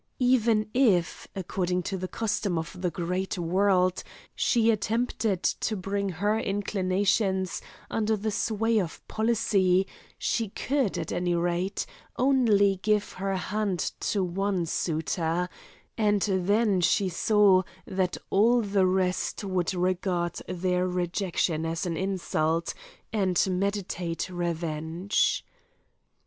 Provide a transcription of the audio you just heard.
Even if, according to the custom of the great world, she attempted to bring her inclinations under the sway of policy, she could, at any rate, only give her hand to one suitor, and then she saw that all the rest would regard their rejection as an insult and meditate revenge.